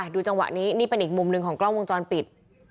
ดูจังหวะนี้นี่เป็นอีกมุมหนึ่งของกล้องวงจรปิด